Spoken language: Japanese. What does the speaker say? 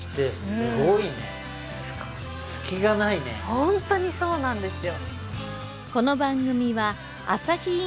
ホントにそうなんですよ